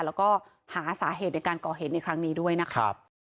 แล้วก็หาสาเหตุในการก่อเหตุในครั้งนี้ด้วยนะครับ